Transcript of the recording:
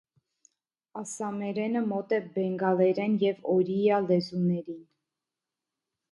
Ասսամերենը մոտ է բենգալերեն և օրիյա լեզուներին։